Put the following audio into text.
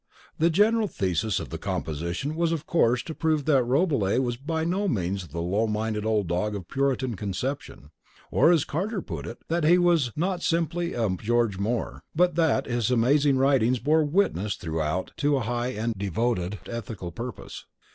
The general thesis of the composition was of course to prove that Rabelais was by no means the low minded old dog of Puritan conception; or, as Carter put it, that he was "not simply a George Moore"; but that his amazing writings bore witness throughout to a high and devoted ethical purpose.